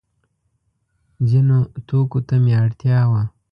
ځینو توکو ته مې اړتیا وه.